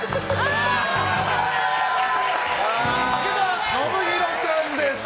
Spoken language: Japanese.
武田修宏さんです。